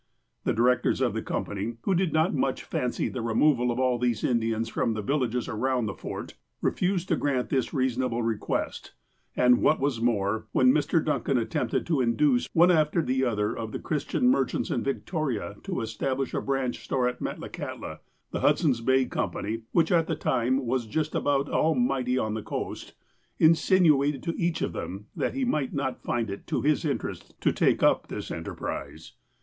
The directors of the Company, who did not much fancy the removal of all these Indians from the villages around the Fort, refused to grant this reasonable request, and, what was more, when Mr. Duncan attempted to induce one after the other of the Christian merchants in Victoria to establish a branch store at Metlakahtla, the Hudson's Bay Company, which, at the time, was just about almighty on the coast, insinuated to each of them that he might not find it to his interest to take up this enterprise.